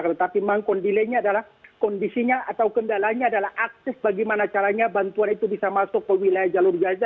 tetapi memang kondisinya adalah kondisinya atau kendalanya adalah aktif bagaimana caranya bantuan itu bisa masuk ke wilayah jalur gaza